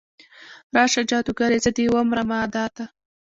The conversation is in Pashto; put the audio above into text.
راشه جادوګرې، زه دې ومرمه ادا ته